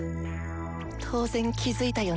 当然気付いたよね